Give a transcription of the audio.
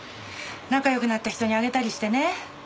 仲良くなった人にあげたりしてね。